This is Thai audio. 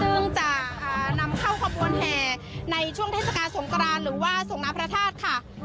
ซึ่งจะนำเข้าขบวนแห่ในช่วงเทศกาลสงกรานหรือว่าส่งน้ำพระธาตุค่ะ